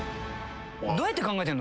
どうやって考えてんの？